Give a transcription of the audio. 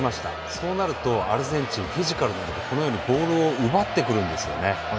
そうなるとアルゼンチンフィジカルが強いのでボールを奪ってくるんですよね。